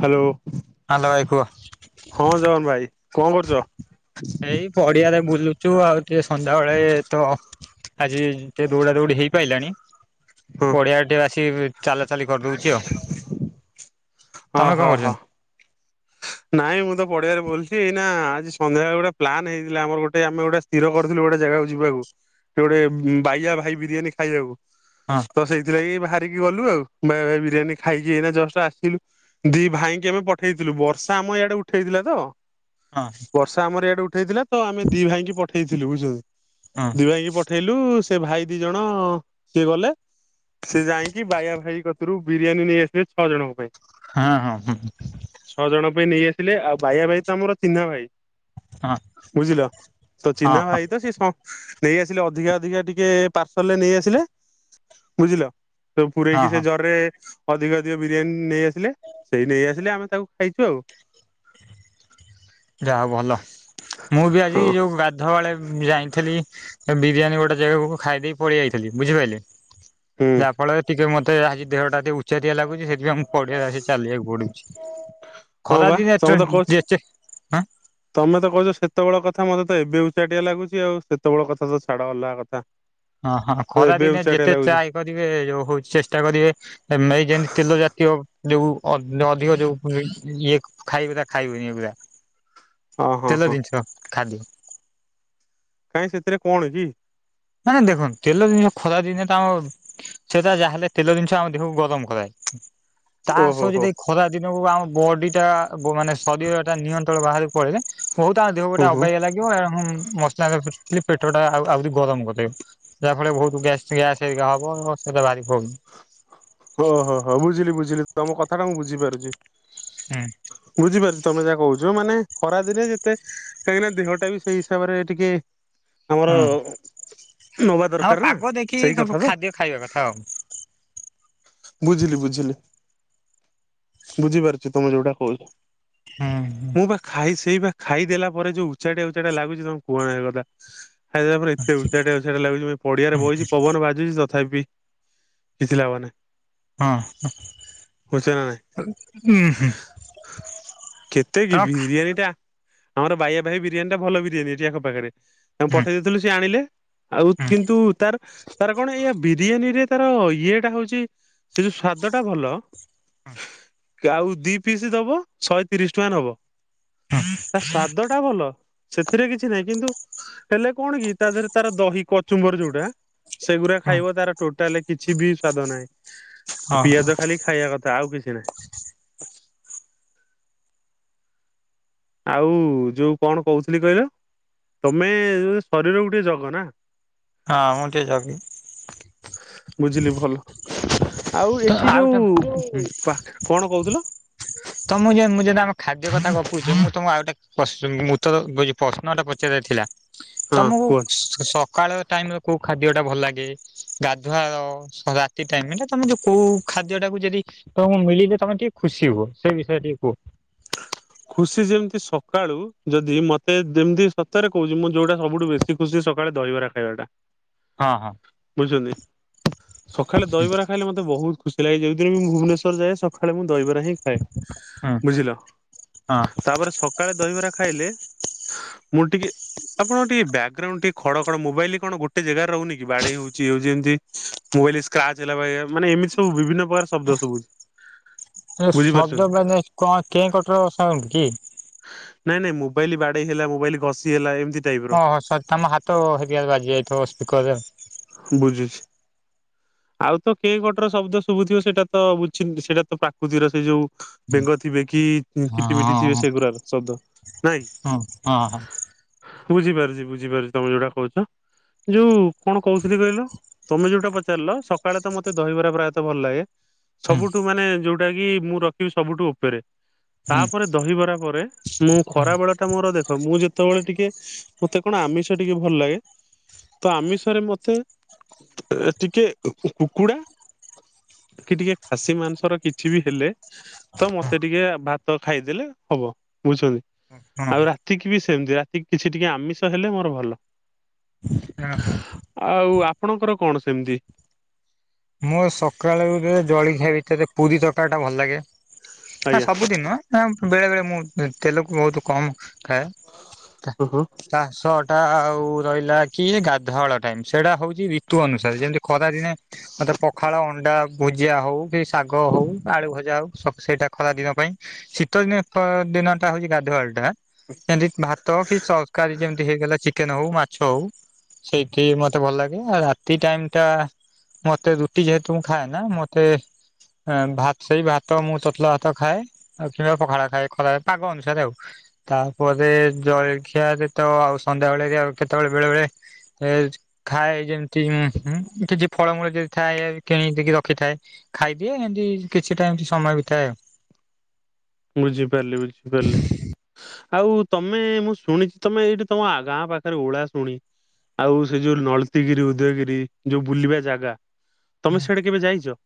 Hello. Hello ଦ୍ଭାଇ କୁଅ। ହଁ ଜଗନ ଭାଇ କଅଁ କରୁଚ? ଏଇ ପଡିଆରେ ବୁଲୁଚୁ ଆଉ ଟିକେ ସନ୍ଧ୍ୟାବେଳେ ତ ଆଜି ଏ ଦୌଡା ଦୌଡି ହେଇପାଇଲାଣି। ହଁ ପଡିଆ ଆଡ଼େ ଟିକେ ଆସି ଚାଲା ଚାଲି କରିଦଉଚି ଆଉ ଅ ତମେ କଣ ହଁ ହ। କରୁଛନ୍ତି? ନାଇଁ ମୁଁ ତ ପଡିଆରେ ବୁଲିଚି ଏଇନା ଆଜି ସନ୍ଧ୍ୟାବେଳେ ଗୋଟେ ପ୍ଲାନ୍ ହେଇଥିଲା ଆମର ଗୋଟେ ଆମେ ଗୋଟେ ସ୍ଥିର କରିଥିଲୁ ଗୋଟେ ଜାଗାକୁ ଯିବାକୁ ଗୋଟେ ବାଇଆ ଭାଇ ବିରିୟାନୀ ଖାଇବାକୁ ହଁ ତ ସେଇଥିଲାଗି ବାହାରିକି ଗଲୁ ଆଉ ବିରିୟାନୀ ଖାଇକି ଏଇ ଜଷ୍ଟ ଆସିଲୁ ଦି ଭାଇଙ୍କୁ ଆମେ ପଠେଇଥିଲୁ ବର୍ଷ ତ ଆମ ଇଆଡେ ଉଠେଇଥିଲା ତ ହଁ। ବର୍ଷା ଆମର ଇଡେ ଉଠେଇଥିଲା ତ ଆମେ ଦି ଭାଇଙ୍କି ପଠେଇଥିଲୁ ବୁଝୁଛ ହଁ ଦି ଭାଇ ପ ପଠେଇଲୁ ସେ ଭାଇ ଦି ଜଣ ସିଏ ଗଲେ ସେ ଯାଇକି ବାୟା ଭାଇ କତିରୁ ବିରିୟାନୀ ନେଇ ଆସିଲେ ଛଅ ଜଣଙ୍କ ପାଇଁ। ହଁ ହଁ ହଁ। ଛଅ ଜଣ ପାଇଁ ନେଇ ଆସିଲେ ଆଉ ଭାଇଆ ଭାଇ ତ ଆମର ଚିହ୍ନା ଭାଇ। ହଁ ବୁଝିଲ ତ ହଁ ଚିହ୍ନା ଭାଇ ତ ଶି ନେଇ ଆସିଲେ ଅଧିକା ଅଧିକା ଟିକେ ପାର୍ସଲରେ ନେଇ ଆସିଲେ ବୁଝିଲ। ତ ହଁ ପୁରଇକି ସେ ହଁ ଜରିରେ ଅଧିକ ଅଧିକ ବିରିୟାନୀ ନେଇଆସିଲେ ସେଇ ନେଇ ଆସିଲେ ଆମେ ତାକୁ ଖାଇଛୁ ଆଉ ଯାହା ଭଲ ମୁଁ ବି ଆଜି ହଁ ଯୋଉ ଗା ଏଧ ବଳେ ଯାଇଥିଲି ବିରିୟାନୀ ଗୋଟେ ଜାଗାକୁ ଖାଇ ଦେଇ ପଳେଇ ଯାଇଥିଲି ବୁଝିପାଇଲେ। ହୁଁ ଯାହା ଫଳରେ ଟିକେ ମତେ ଆଜି ଦେହ ଟା ଟିକେ ଉ ଚରିଆ ଲାଗୁଚି ସେଥିପାଇଁ ଆମ ପଡ଼ିଆ ଆସି ଚାଲିବାକୁ ପଡ଼ୁଚି ହଁ ବା ଖରାଦିନେ ତମେ ତ କହୁଛ ଚେନ୍‌ ଏଚେକ୍ ତମେ ତ କହୁଛ ସେତେବେଳ କଥା ମତେ ତ ଏବେ ଉଚାଟିଆ ଲାଗୁଛି ଆଉ ସେତେବେଳେ କଥା ତ ଛାଡ଼ ଅଲଗା କଥା। ହଁ ହଁ ଏବେ ଖରାଦିନେ ଉଚାଟିଆ ଯେତେ ଲାଗୁଛି ଚାଏ କରିବେ ଯୋଉ ହଉଛି ଚେଷ୍ଟା କରିବେ। ଏଇ ଯେମତି ତେଲ ଜାତୀୟ ଯୋଉ ଅଧିକ ଯୋଉ ଇଏ ଖାଇବେ ତା ଖାଇବେନି ପୁରା। ହଁ ହଁ ତେଲ ହଁ ଜିନିଷ ଖାଦ୍ୟ। କାଇଁ ସେଥିରେ କଣ କି? ମାନେ ଦେଖନ୍ତୁ ତେଲ ଜିନିଷ ଖରା ଦିନେ ତ ଆମ ସେଟା ଯାହାହେଲେ ତେଲ ଜିନିଷ ଆମ ଦେହକୁ ଗରମ କରାଏ। ତା ଓହୋ ସହିତ ହୋ ଯଦି ଖରା ଦିନକୁ ଆମ ବଡ଼ି ଟା ଗ ମାନେ ଶରୀରଟା ନିୟନ୍ତ୍ରଣ ବାହାରକୁ ପଳେଇଲେ ବହୁତ ଆମ ଦେହକୁ ହୁଁ ଗୋଟେ ହୁଁ ଅବାଗିଆ ଲାଗିବ ଆଉ ମସଲା ମସଲି ପେଟଟା ଆଉ ଆହୁରି ଗରମ କରିବ। ଯାହା ଫଳରେ ବହୁତ ଗ୍ୟାସ୍ ହେରିକା ହବ ସେଇଟା ଭାରି ପ୍ରୋବ୍ଲେମ୍। ଓହୋଃ ହୋ ବୁଝିଲି ବୁଝିଲି ତମ କଥାଟା ମୁଁ ବୁଝି ପାରୁଛି। ହୁଁ। ବୁଝି ପାରୁଛି ତମେ ଯାହା କହୁଛ ମାନେ ଖରାଦିନେ ଯେତେ କାହିଁକିନା ଦେହଟା ବି ସେଇ ହିସାବରେ ଟିକେ ଆମର ହଁ ନବା ଦରକାର ଆମେ ନା ପାଗ ସେଇ ଦେଖିକି ସବୁ କଥା ତ ଖାଦ୍ୟ ଖାଇବା କଥା ଆଉ। ବୁଝିଲି ବୁଝିଲି। ବୁଝି ପାରୁଛି ତମେ ଯୋଉଟା କହୁଛ। ଉଁହୁଁ। ମୁଁ ବା ଖାଇ ସେଇ ବା ଖାଇଦେଲା ପରେ ଯୋଉ ଉଚାଟିଆ ଉଚାଟିଆ ଲାଗୁଛି ତମେ କୁହନା ସେକଥା। ଖାଇସାରିବା ଏତେ ଉଚାଟିଆ ଉଚାଟିଆ ଲାଗୁଛି ମୁଁ ଏଇ ପଡ଼ିଆରେ ବସିଛି ପବନ ବାଜୁଛି ତଥାପି ବି କିଛି ଲାଭ ନାହିଁ। ବୁଝୁଛ ନା ହଁ। ନାଇଁ ଉୁହୁ ତମ କିଏରେ ଏଇଟା? ଆମର ବାଇଆ ଭାଇ ବିରିୟାନୀ ଟା ଭଲ ବିରିୟାନୀ ଏଠି ଆଖ ପାଖରେ। ତାଙ୍କୁ ହୁଁ ପଠେଇ ଦେଇଥିଲୁ ସେ ଆଣିଲେ ଆଉ ହୁଁ କିନ୍ତୁ ତାର ତାର କଣ ଏଇଆ ବିରିୟାନୀ ରେ ତାର ଇଏ ଟା ହଉଛି ସେ ଯୋଉ ସ୍ଵାଦ ଟା ଭଲ ଆଉ ଦି ପିସ୍ ଦବ ଶହେ ତିରିଶ ଟଙ୍କା ନବ। ତା ସ୍ଵାଦ ଟା ଭଲ ସେଥିରେ କିଛି ନାହିଁ କିନ୍ତୁ ହେଲେ କଣ କି ତା ଦେହରେ ତାର ଦହି କଚୁମ୍ବର ଯୋଉଟା ସେଗୁଡ଼ାକ ଖାଇବ ତାର ଟୋଟାଲ କିଛି ବି ସ୍ଵାଦ ନାହିଁ ହଉ ପିଆଜ ଖାଲି ଖାଇବା କଥା ଆଉ କିଛି ନାହିଁ। ଆଉ ଯୋଉ କଣ କହୁଥିଲି କହିଲ ତମେ ଶରୀରକୁ ଟିକେ ଜଗ ନା? ହଁ ମୁଁ ଟିକେ ଜଗେ। ବୁଝିଲି ଭଲ। ଆଉ ତ ଏଠି ଆଉ ଯୋଉ ପାଖରେ କଣ କହୁଥିଲ? ତମେ ମୁଁ ଯେମିତି ଆମ ଖାଦ୍ୟ କଥା ଗପୁଛୁ ମୁଁ ତମକୁ ଆଉ ଗୋଟେ ପ୍ରସ୍ ଉତ୍ତର ହୋଉଛି ପ୍ରଶ୍ନ ଗୋଟେ ପଚାରିବାର ଥିଲା ହଁ ତମକୁ କୁହ। ସକାଳ ଟାଇମ ର କୋଉ ଖାଦ୍ୟ ଟା ଭଲ ଲାଗେ ଗାଧୁଆ ବେଳର ରାତି ଟାଇମଟା ତମେ ଯୋଉ କୋଉ ଖାଦ୍ୟ ଟାକୁ ଯଦି ତମକୁ ମିଳିଲେ ତମେ ଟିକେ ଖୁସି ହୁଅ ସେଇ ବିଷୟରେ ଟିକେ କୁହ? ଖୁସି ଯେମିତି ସକାଳୁ ଯଦି ମତେ ଯେମିତି ସତରେ କହୁଛି ମୁଁ ଯୋଉଟା ସବୁଠୁ ବେଶୀ ଖୁସି ସକାଳେ ଦହିବରା ଖାଇବାଟା ହଁ ହଁ। ବୁଝୁଛନ୍ତି? ସକାଳେ ଦହିବରା ଖାଇଲେ ମତେ ବହୁତ ଖୁସି ଲାଗେ। ଯେଉଁଦିନ ମୁଁ ଭୁବନେଶ୍ୱର ଯାଏ ସକାଳେ ମୁଁ ଦହିବରା ହିଁ ଖାଏ। ବୁଝିଲ? ହଁ। ତାପରେ ସକାଳେ ଦହିବରା ଖାଇଲେ ମୁଁ ଟିକେ ଆପଣଙ୍କର ଟିକେ ବ୍ୟାକଗ୍ରାଉଣ୍ଡ ଟିକେ ଖଡ଼ ଖଡ଼ ମୋବାଇଲ କଣ ଗୋଟେ ଜାଗାରେ ରହୁନି କି ବାଡ଼େଇ ହଉଛି ଇଏ ହଉଛି ଏମିତି ମୋବାଇଲ ସ୍କ୍ରାଚ ହେଲା ପରିକା ମାନେ ଏମିତି ସବୁ ବିଭିନ୍ନ ପ୍ରକାର ଶବ୍ଦ ଶୁଭୁଚି। ଏ ଶବ୍ଦ କଣ କଣ କେ କଟର ସାଉଣ୍ଡ କି? ନାଇଁ ନାଇଁ ମୋବାଇଲି ବାଡେଇ ହେଲା ମୋବାଇଲି ଘଷି ହେଲା ଏମିତି ଟାଇପ ର ଓହୋ ସରି ତମ ହାତ ହେଇଦିହରେ ବାଜି ଯାଇଥିବ ସ୍ପିକରରେ ଆଉ। ବୁଝୁଛି। ଆଉ ତ କେଁ କଟର ଶବ୍ଦ ଶୁଭୁଥିବ ସେଟା ତ ବୁଝି ସେଇଟା ତ ପ୍ରାକୃତିର ସେ ଯୋଉ ବେଙ୍ଗ ଥିବେ କି ହଁ କିଟି ମିିଟି ଥିବେ ସେଗୁରା ଶବ୍ଦ ନାଇଁ! ହଁ ହଁ। ବୁଝିପାରୁଛି ବୁଝିପାରୁଚି ତମେ ଯୋଉଟା କହୁଛ ଯୋଉ କଣ କହୁଥିଲି କହିଲ ତମେ ଯୋଉଟା ପଚାରିଲ ସକାଳେ ତ ମତେ ଦହିବାରେ ପ୍ରାୟତଃ ଭଲ ଲାଗେ ହୁଁ ସବୁଠୁ ମାନେ ଯୋଉଟା କି ମୁଁ ରଖିବି ସବୁଠୁ ଉପରେ ହୁଁ ତାପରେ ଦହିବରା ପରେ ମୁଁ ହୁଁ ଖରାବେଳଟା ମୋର ଦେଖ ମୁଁ ଯେ ସେତେବେଳେ ଟିକେ ମତେ କଣ ଆମିଷ ଟିକେ ଭଲ ଲାଗେ ତ ଆମିଷ ଥରେ ମତେ ଅ ଟିକେ କୁକୁଡ଼ା କି ଟିକେ ଖାସି ମାଂସର କିଛି ବି ହେଲେ ତ ମତେ ଟିକେ ଭାତ ଖାଇଦେଲେ ହବ ବୁଝୁଛନ୍ତି? ହଁ ଆଉ ରାତିକି ବି ସେମିତି ରାତିକି କିଛି ଟିକେ ଆମିଷ ହେଲେ ମୋର ଭଲ। ଓହୋ। ଆଉ ଆପଣଙ୍କର କଣ ସେମିତି? ମୋର ସକାଳେ [unintelligible] ଜଳଖିଆ ଭିତରେ ପୁରୀ ତରକାରୀଟା ଭଲ ଲାଗେ ନା ଆଜ୍ଞା ସବୁଦିନ ନୁହଁ ନା ବେଳେ ବେଳେ ମୁଁ ତେଲକୁ ବହୁତ କମ ଖାଏ କା ହଁ ହଁ ଚାଷଟା ଆଉ ରହିଲା କି ଗାଧୁଆଳ ଟାଇମ ସେଇଟା ହଉଛି ଋତୁ ଅନୁସାରେ ଯେମିତି ଖରାଦିନେ ମତେ ପଖାଳ ଅଣ୍ଡା ଭୁଜିଆ ହଉ କି ଶାଗ ହଉ ଆଳୁ ଭଜା ହଉ ସକ୍ ସେଇଟା ଖରାଦିନ ପାଇଁ ଶୀତ ଦିନେ ପ ଦିନଟା ହଉଛି ଗାଧୁଆଳ ଟା ଏମତି ଭାତ କି ତରକାରୀ ଯେମତି ହେଇଗଲା ଚି କେନ ହଉ ମାଛ ହଉ ସେଇଠି ମତେ ଭଲ ଲାଗେ ଆଉ ରାତି ଟାଇମ ଟା ମତେ ରୁଟି ଯେହେତୁ ମୁଁ ଖାଏ ନା ମତେ ଅ ଭାତ ସେଇ ଭାତ ମୁଁ ତତଲା ଭାତ ଖାଏ। ଆଉ କିମ୍ବା ପଖାଳ ଖାଏ ଖରାଆଳେ ପାଗ ଅନୁସାରେ ଆଉ। ତାପରେ ଜଳଖିଆରେ ତ ଆଉ ସନ୍ଧ୍ୟାବେଳେ [unintelligible] କେତେବେଳେ ବେଳେବେଳେ ଏ ଖାଏ ଯେମିତି ଉଁ ହୁଁ କିଛି ଫଳମୂଳ ଯଦି ଥାଏ କିଣକି ଟିକେ ରଖିଥାଏ ଖାଇଦିଏ ଏମିତି କିଛି ଟା ଏମତି ସମୟ ବିତାଏ ଆଉ। ବୁଝିପାରିଲି ବୁଝିପାରିଲି। ଆଉ ତମେ ମୁଁ ଶୁଣିଛି ତମେ ଏଇଠି ତମ ଆ ଗାଁ ପାଖରେ ଓଳାଶୁଣି। ଆଉ ସେ ଯୋଉ ନଳତିଗିରି ଉଦୟଗିରି, ଯୋଉ ବୁଲିବା ଜାଗା ତମେ ସେଇଆଡେ କେବେ ଯାଇଛ?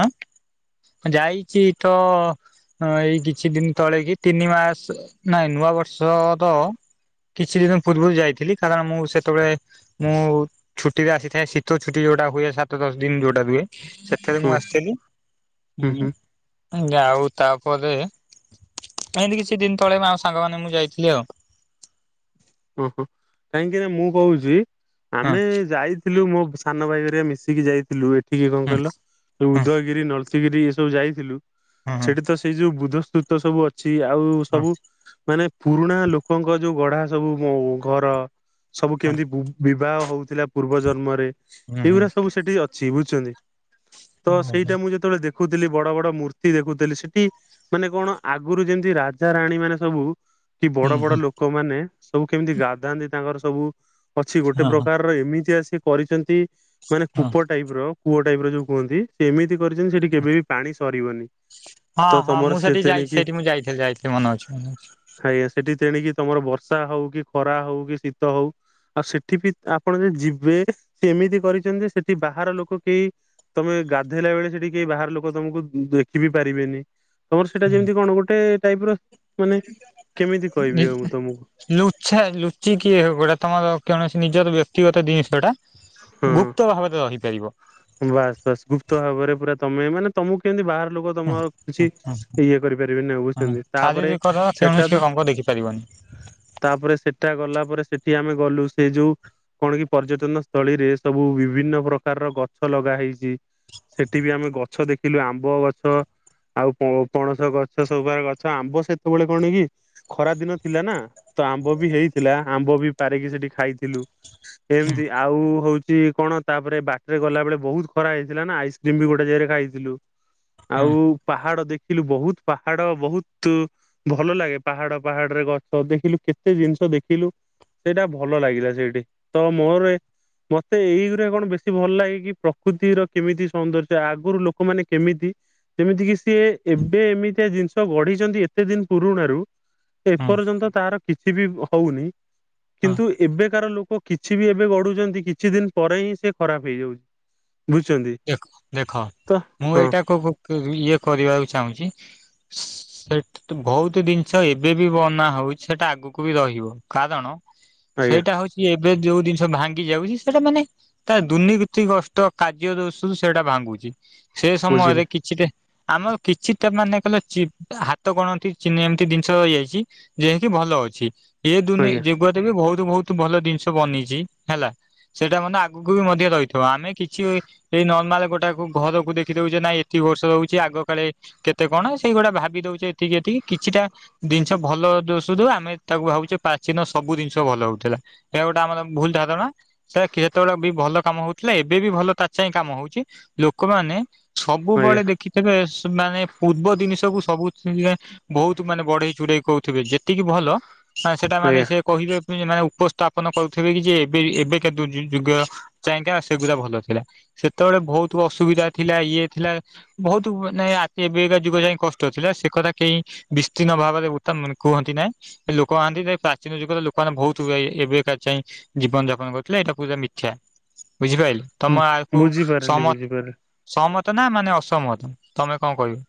ଆଁ ଯାଇଛି ତ ହଁ ଏଇ କିଛି ଦିନ ତଳେ କି ତିନି ମାସ ନାଇଁ ନୂଆ ବର୍ଷ ର କିଛି ଦିନ ପୂର୍ବରୁ ଯାଇଥିଲି କାରଣ ମୁଁ ସେତେବେଳେ ମୁଁ ଛୁଟିରେ ଆସିଥାଏ ଶୀତ ଛୁଟି ଯୋଉଟା ହୁଏ ସାତ ଦଶ ଦିନ ଯୋଉଟା ରୁହେ ସେତେବେଳେ ମୁଁ ହୁଁ ଆସଥେଲି ହୁଁ ହୁଁ ଉଁ ଆଉ ତାପରେ ଏମତି କିଛି ଦିନ ତଳେ ମୁଁ ଆଉ ସାଙ୍ଗମାନେ ମୁଁ ଯାଇଥିଲି ଆଉ। ଓହୋ କାହିଁକିନା ମୁଁ କହୁଛି ହୁଁ ଆମେ ଯାଇ ଯାଇଥିଲୁ ମୋ ସାନ ଭାଇଘରିକା ମିଶିକି ଯାଇଥିଲୁ ଏଠିକି କଣ କହିଲ ହୁଁ ଉଦୟଗିରି ନଳି ମିଶିକିରି ଏ ସବୁ ଯାଇଥିଲୁ ହୁଁ ସେଠି ତ ସେଇ ଯୋଉ ବୁଦ୍ଧ ସ୍ତୁତ ସବୁ ଅଛି ଆଉ ସବୁ ମାନେ ପୁରୁଣା ଲୋକଙ୍କ ଯୋଉ ଗଢା ସବୁ ଓ ଘର ସବୁ କେମିତି ବୁବ୍ ବିବାହ ହଉଥିଲା ପୂର୍ବ ଜନ୍ମରେ ହୁଁ ହୁଁ ହୁଁ ହୁଁ ହୁଁ ଏଇଗୁରା ସବୁ ସେଠି ଅଛି ବୁଝୁଛନ୍ତି? ତ ହୁଁ। ସେଇଟା ମୁଁ ଯେତେବେଳେ ଦେଖୁଥିଲି ବଡ ବଡ ମୂର୍ତ୍ତି ଦେଖୁଥିଲି ସେଠି ମାନେ କଣ ଆଗରୁ ଯେମତି ରାଜା ରାାଣୀମାନେ ସବୁ କି ହୁଁ ବଡ ହୁଁ ବଡ ହଁ ଲୋକମାନେ ସବୁ କେମିତି ଗାଧାନ୍ତି ତାଙ୍କର ସବୁ ଅଛି ଗୋଟେ ହଁ ପ୍ରକାର ର ଏମିତିଆ ସିଏ କରିଛନ୍ତି ମାନେ ହଁ କୂପ ଟାଇପର କୂଅ ଟାଇପ ର ଯୋଉ କୁହନ୍ତି ସେ ଏମିତି କରିଛନ୍ତି ସେଠି କେବେ ବି ପାଣି ସରିବନି। ହଁ ତ ହଁ ତମର ମୁଁ ସେ ସେଠିକି ଯାଇ ତେଣିକି ସେଠି ମୁଁ ଯାଇଥିଲି ଯାଇଥିଲି ମନେ ଅଛି ମନେ ଅଛି। ଖାଇବା ସେଠି ତେଣିକି ତମର ବର୍ଷା ହଉ କି ଖରା ହଉ କି ଶୀତ ହଉ। ଆଉ ସେଠି ବି ଆପଣ ଯଦି ଯିବେ ସେ ଏମିତି କରିଛନ୍ତି ସେଠି ବାହାର ଲୋକ କେହି ତମେ ଗାଧେଇଲା ବେଳେ ସେଠି କେହି ବାହାର ଲୋକ ତମକୁ ଦେଖିିବି ପାରିବେନି। ତମର ସେଇଟା ଯେମିତି କଣ ଗୋଟେ ଟାଇପର ମାନେ କେମିତି କହିବି ଆଉ ମୁଁ ତମକୁ। ଲୁଚ୍ଛା ଲୁଚି କିଏ ହ ଗୋଟେ ତମର କୌଣସି ନିଜର ବ୍ୟକ୍ତିଗତ ଜିନିଷଟା। ହଁ ଗୁପ୍ତ ଭାବରେ ରହିପାରିବ। ବାସ୍ ବାସ୍ ଗୁପ୍ତ ଭାବରେ ପୁରା ତମେ ମାନେ ତମକୁ କେମିତି ବାହାର ଲୋକ ହୁଁ ତମର କିଛି ହୁଁ ଇଏ କରିପାରିବିନି ନାହିଁ ହୁଁ ବୁଝଛନ୍ତି ତାପରେ ଶାରୀରିକର ସେଟା କୌଣସି ତ ଅଙ୍ଗ ଦେଖିପାରିବନି। ତାପରେ ସେଟା ଗଲା ପରେ ସେଠି ଆମେ ଗଲୁ ସେ ଯୋଉ କଣ କି ପର୍ଯ୍ୟଟନ ସ୍ଥଳୀରେ ସବୁ ବିଭିନ୍ନ ପ୍ରକାରର ଗଛ ଲଗା ହେଇଛି। ସେଠିବି ଆମେ ଗଛ ଦେଖିଲୁ ଆମ୍ବ ଗଛ। ଆଉ ପ-ପଣସ ଗଛ ସବୁ ପ୍ରକାର ଗଛ ଆମ୍ବ ସେତେବେଳେ କଣ କି? ଖରା ଦିନ ଥିଲା ନା ତ ଆମ୍ବ ବି ହେଇଥିଲା ଆମ୍ବ ବି ପାରିକି ସେଠି ଖାଇଥିଲୁ। ହୁଁ ଏମିତି ଆଉ ହଉଛି କଣ ତାପରେ ବାଟ ଟରେ ଗଲା ବେଳେ ବହୁତ ଖରା ହେଇଥିଲା ନା ଆଇସ୍କ୍ରିମ ବି ଗୋଟେ ଜାଗରେ ଖାଇଥିଲୁ ହୁଁ ଆଉ ପାହାଡ ଦେଖିଲୁ ବହୁତ ପାହାଡ ବହୁତ ଭଲ ଲାଗେ ପାହାଡ ପାହାଡରେ ଗଛ ଦେଖିଲୁ କେତେ ଜିନିଷ ଦେଖିଲୁ ସେଇଟା ଭଲ ଲାଗିଲା ସେଇଠି ତ ମୋର ମତେ ଏଇଗୁରା କଣ ବେଶୀ ଭଲ ଲାଗେ କି ପ୍ରକୃତିର କେମିତି ସୌନ୍ଦର୍ଯ୍ୟ ଆଗରୁ ଲୋକମାନେ କେମିତି ଯେମିତି କିି ସିଏ ଏବେ ଏମିତିଆ ଜିନିଷ ଗଢିଛନ୍ତି ଏତେ ଦିନ ପୁରୁଣରୁ। ହୁଁ ଏପର୍ଯ୍ୟନ୍ତ ତାର କିଛି ବି ହଉନି ହଁ କିନ୍ତୁ ଏବେକାର ଲୋକ କିଛି ବି ଏବେ ଗଢୁଛନ୍ତି କିଛି ଦିନ ପରେ ହିଁ ସେ ଖରାପ ହେଇଯାଉଛି। ବୁଝୁଛନ୍ତି? ଦେଖ ଦେଖ ତ ମୁଁ ହଁ ଏଇଟାକୁ [unintelligible] ଇଏ କରିବାକୁ ଚାହୁଁଛି? [inaudible] ସେଠ ବହୁତ ଜିନିଷ ଏବେ ବି ବନା ହଉଛି ସେଟା ଆଗକୁ ବି ରହିବ କାରଣ ଆଜ୍ଞା ସେଇଟା ହଉଛି ଏବେ ଯୋଉ ଜିନିଷ ଭାଙ୍ଗି ଯାଉଛି ସେଟା ମାନେ ତା ଦୁର୍ନୀତି କଷ୍ଟ କ ଇଏ ଦୋଶୁରୁ ସେଇଟା ଭାଙ୍ଗୁଛି ସେ ବୁଝିଲି ସମୟରେ କିଛିଟା ଆମର କିଛିଟା ମାନେ କହିଲ ଚି ହାତ ଗଣନ୍ତି ଏମିତି ଜିନିଷ ଇଏ ହେଇଛି। ଯେକିି ଭଲ ଅଛି ଏ ଦୁନି ଆଜ୍ଞା ଯୁଗୁ ବି ବହୁତ ବହୁତ ଭଲ ଜିନିଷ ବନିଛି ହେଲା ସେଇଟା ମାନେ ଆଗକୁ ବି ମଧ୍ୟ ରହି ଆମେ କିଛି ଏଇ ନର୍ମାଲ ଗୋଟାକୁ ଘରକୁ ଦେଖିଦଉଛେ ନାାଇଁ ଏତିକ ବର୍ଷ ରଉଛି ଆଗ କାଳେ କେତେ କଣ ସେଇଗୁଡା ଭାବି ଦଉଛେ ଏତିକି ଏତିକି କିଛିଟା ଜିନିଷ ଭଲ ଦୋସୁରୁ ଆମେ ତାକୁ ଭାବୁଛେ ପ୍ରାଚୀନ ସବୁ ଜିନିଷ ଭଲ ହଉଥିଲା। ଏହା ଗୋଟେ ଆମର ଭୁଲ ଧାରଣା ସେଟତେବେଳେ ବି ଭଲ କାମ ହଉଥିଲା ଏବେ ବି ଭଲ ତାଛହିଁ କାମ ହଉଛି ଲୋକମାନେ ଆଜ୍ଞା ସବୁବେଳେ ଦେଖ କିବେ ମାନେ ପୂର୍ବ ଜିନିଷକୁୁ ସବୁ [unintelligible] ବହୁତ ମାନେ ବଢେଇ ଚୁଡେଇ କହୁଥିବେ ଯେତିକି ଭଲ ମାନେ ସେଟା ମାନେ ସେ ଆଜ୍ଞା କହିବା ପାଇଁ ମାନେ ଉପସ୍ଥାପନ କରୁଥିବେ କି ଯେ ଏବେ ଏବେ କା କେତୁ ଯୁଗ ଯାଇକା ସେଗୁରା ଭଲ ଥିଲା ସେତେବେଳେ ବହୁତ ଅସୁବିଧା ଥିଲା ଇଏ ଥିଲା। ବହୁତ ମାନେ ଆ ଏବେକା ଯୁଗ ଯାଇ କଷ୍ଟଥିଲା ସେ କଥା କେହି ବିସ୍ତୀର୍ଣ ଭାବରେ ଗୋଟେ କୁହନ୍ତି ନାଁ ଲୋକ ମାନତି ପ୍ରାଚୀନ ଯୁଗରେ ଲୋକମାନେ ବହୁତ ହୁଏ ଏବେକା ଚାହେଁ ଜୀବନ ଯାପନ କରୁଥିଲେ ଏଇଟା ପୂଜା ମିଥ୍ୟା ବୁଝିପାଇଲେ ତମ ଆକୁ ବୁଝିପାରିଲି ସହମତ ବୁଝିପାରିଲି ସହମତ ନା ଅସହମତ ତମେ କଣ କହିବ?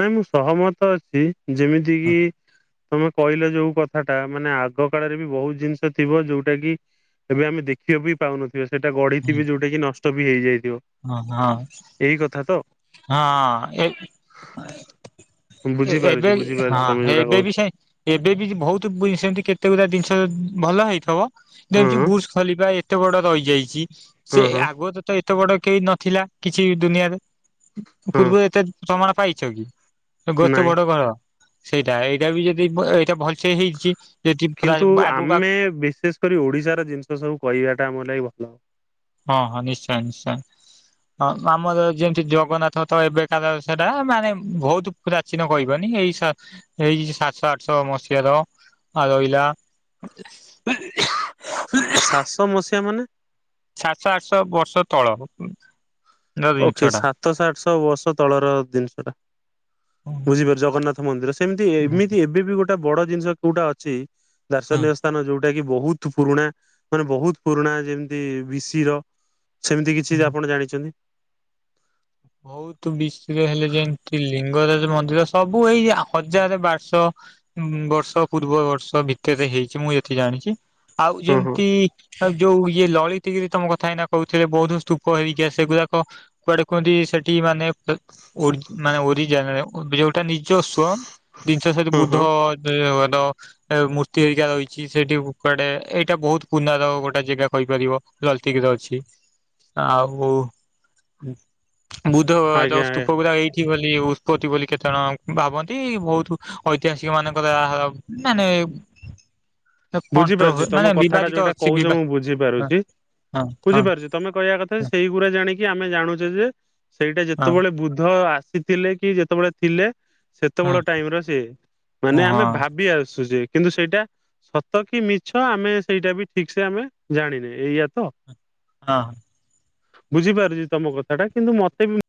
ନାଇଁ ମୁଁ ସହମତ ଅଛି ଯେମିତି କିି ତମେ କହିଲ ଯୋଉ କଥାଟା ମାନେ ଆଗ କାଳରେ ବି ବହୁତ ଜିନିଷ ଥିବ ଯୋଉଟା କି ଏବେ ଆମେ ଦେଖିବା ବି ପାଉନଥିବ ସେଇଟା ଗଢିଥିବେ ଯୋଉଟା କି ନଷ୍ଟ ବି ହେଇଯାଇଥିବ। ହଁ ହଁ। ଏଇ କଥା ତ। ହଁ- ଏ ଏବେ ବୁଝିପାରୁଛି ବୁଝିପାରୁଛି ହଁ ତମେ ଯୋଉଟା ଏବେ କହୁଛ ବି ସେ ଏବେ ବି ବହୁତ୍ ସେମିତି କେତେ ଗୁରା ଜିନିଷ ଭଲ ହେଇଥିବ ଯେମିତି ହଁ ବୁଶ୍ ଖଲିବା ଏତେ ବଡ ରହିଯାଇଚି ହଁ ସେ ହଁ ଆଗ ତ- ତ ଏତେ ବଡ କେହି ନଥିଲା କିଛି ଦୁନିଆରେ। ହଁ ପୂର୍ବରୁ ଏତେ ସମ୍ମାନ ପାଇଚ କି [unintelligible] ନାଇଁ ବଡ ଘର। ସେଇଟା ଏଇଟା ବି ଯଦି ବ-ଏଇଟା ଭଲ୍ ସେ ହେଇଚି ଯଦି ରା- ଆଗକୁ ଆଗକୁ ଏ-ବିଶେଷ୍ ବିଶେଷ କରି ଓଡିଶାର ଜିନିଷ ସବୁ କହିବାଟା ଆମ ଲାଗି ଭଲ ହବ। ହଁ- ହଁ ନିଶ୍ଚୟ- ନିଶ୍ଚୟ। ହଁ- ଆମର ଯେମିତି ଜଗନ୍ନାଥ ତ ଏବେକାର ସେଟା ମାନେ ବହୁତ୍ ପ୍ରାଚୀନ କହିବ ନି ଏଇ ସାତ୍ -ଏଇ ସାତଶ ଆଠଶ ମସିହାର ଆଉ‌ ରହିଲା ସାତଶ ମସିହା ମାନେ? ସାତଶ ଆଠଶ ବର୍ଷ ତଳ ର ଜିନିଷ ଓକେ ସାତ ଆଠଶ ବର୍ଷ ତଳର ଜିନିଷ ଟା। ହଁ ଜଗନ୍ନାଥ ମନ୍ଦିର ସେମିତି ଏମିତି ଏବେ ବି ଗୋଟେ ବଡ ଜିନିଷ କଉଟା ଅଛି ଦାର୍ଶନୀୟ ସ୍ଥାନ ଯଉ ଯଉଟା କି ବହୁତ୍ ପୁରୁଣା ମାନେ ବହୁତ୍ ପୁରୁଣା ଯେମିତି ବିଶି ର ସେମିତି ଟା। କିଛି ଆପଣ ଜାଣିଚନ୍ତି? ବହୁତୁ ବିଶି ହେଲେ ଯେମତି ଲିଙ୍ଗରାଜ ମନ୍ଦିର ସବୁ ଏଇ ଆ-ହଜାରେ ବାର୍ ଶ ଉଁ- ବର୍ଷ ପୂର୍ବ ବର୍ଷ ଭିତେରେ ହେଇଚି ମୁଁ ଏଠି ଜାଣିଚି ଆଉ ହଁ ହଁ ଯେମିତି ଆଉ ଯଉ ଇଏ ଲଳିତିଗିରି ତମ କଥା ଏଇନା କହୁଥିଲେ ବହୁତୁ ସ୍ତୂପ ହେଇକି ଆସେ ସେଗୁରାକ [unintelligible] ତା ନିଜସ୍ୱ [unintelligible] ହଁ ହଁ ଏ ମୂର୍ତ୍ତି ହେରିକା ରହିଚି ସେଇଠି କୁଆଡେ ଏଇଟା ବହୁତ୍ ପୁନାର ଗୋଟେ ଜାଗା କହିପାରିବ। ଲଳିତିଗିରି ରେ ଅଛି ଆଉ ବୁଧ ଆଜ୍ଞା ଯଉ ଆଜ୍ଞା ସ୍ତୁପ ଗୁରା ହେଇଚି ବୋଲି ଉତ୍ପତି ବୋଲି କେତେ ଜଣ ଭାବନ୍ତି ବହୁତୁ ଐତିହାସିକ ମାନଙ୍କର ଆ-ମାନେ ହ ବୁଝିପାରୁଚି ତମ କଥାଟା ବିବାଦିତ ଯଉଟା ଅଛି କହୁଚ ବିବା ମୁଁ ହଁ ବୁଝିପାରୁଚି ହଁ ହଁ -ବୁଝିପାରୁଚି। ତମେ କହିବା କଥା ଯେ ସେଇଗୁରା ଜାଣିକି ଆମେ ଜାଣୁଚେ ଯେ ସେଇଟା ହଁ ଯେତେବେଳେ ବୁଦ୍ଧ ଆସି ଥିଲେ କି ଯେତେବଳେ ଥିଲେ ହଁ ସେତେବଳେ ଟାଇମ୍ ର ସିଏ ମାନେ ହଁ ଆମେ ଭାବି ଆସୁ ଯେ କିନ୍ତୁ ସେଇଟା ସତ କି ମିଛ ଆମେ ସେଇଟା ବି ଠିକ୍ ସେ ଆମେ ଜାଣିନେ ଏଇୟା ତ? ହଁ। ବୁଝିପାରୁଚି ତମ କଥାଟା କିନ୍ତୁ ମତେ ବି